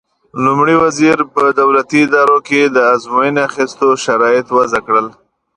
لومړي وزیر په دولتي ادارو کې د ازموینې اخیستو شرایط وضع کړل.